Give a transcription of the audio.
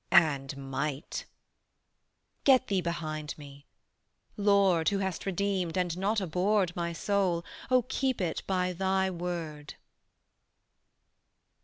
"And Might." "Get thee behind me. Lord, Who hast redeemed and not abhorred My soul, O keep it by Thy Word."